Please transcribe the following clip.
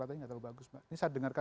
ini saya dengarkan